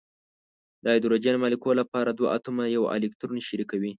د هایدروجن مالیکول لپاره دوه اتومونه یو الکترون شریکوي.